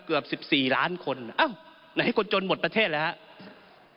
เกือบ๑๔ล้านคนอ้าวไหนคนจนหมดประเทศแล้วครับ